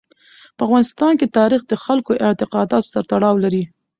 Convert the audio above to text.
په افغانستان کې تاریخ د خلکو د اعتقاداتو سره تړاو لري.